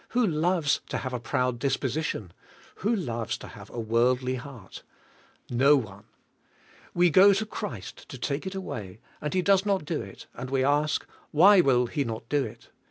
Who loves to have CARNAL CHRISTIANS 23 a proud disposition ? Who loves to have a worldly heart? No one. We go to Christ to take it away, and he does not do it; and we ask, "Why will he not do it?